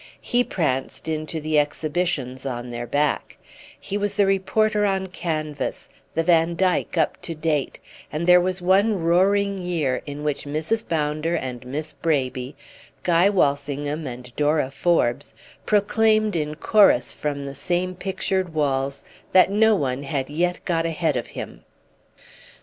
He pranced into the exhibitions on their back; he was the reporter on canvas, the Vandyke up to date, and there was one roaring year in which Mrs. Bounder and Miss Braby, Guy Walsingham and Dora Forbes proclaimed in chorus from the same pictured walls that no one had yet got ahead of him.